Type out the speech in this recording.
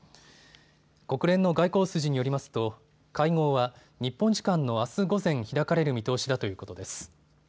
国連の外交筋によりますと会合は日本時間のあす午前、開かれる見通しだということです。